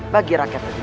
bagi rakyat pajajara